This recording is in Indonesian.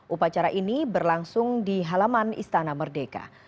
upacara ini berlangsung di halaman istana merdeka